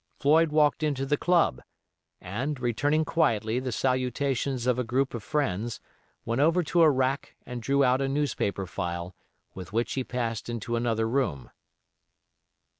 Floyd walked into the Club and, returning quietly the salutations of a group of friends, went over to a rack and drew out a newspaper file, with which he passed into another room.